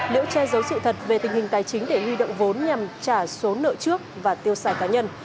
liễu che giấu sự thật về tình hình tài chính để huy động vốn nhằm trả số nợ trước và tiêu xài cá nhân